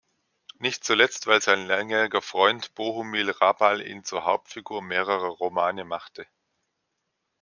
Nicht zuletzt weil sein langjähriger Freund Bohumil Hrabal ihn zur Hauptfigur mehrerer Romane machte.